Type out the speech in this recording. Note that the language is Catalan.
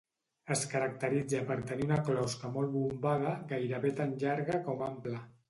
Es caracteritza per tenir una closca molt bombada, gairebé tan llarga com ampla.